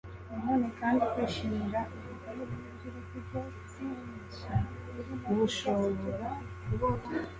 na none kandi kwishimira uburyohe bw'ibyokurya byinshi urimo kurya si cyo gifite